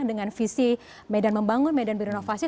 dengan visi medan membangun medan berinovasi